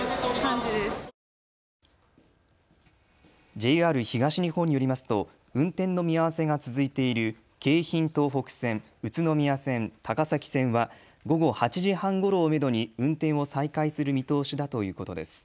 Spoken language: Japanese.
ＪＲ東日本によりますと運転の見合わせが続いている京浜東北線、宇都宮線、高崎線は午後８時半ごろをめどに運転を再開する見通しだということです。